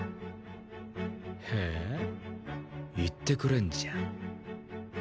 へえ言ってくれんじゃん。